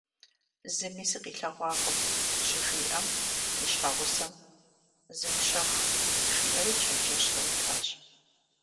Зыми сыкъилъэгъуакъым, щыжиӀэм, и щхьэгъусэм: - Зыущэху, – жиӀэри чэнджэщ къритащ.